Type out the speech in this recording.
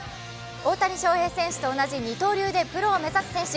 大谷翔平選手と同じ二刀流でプロを目指す選手。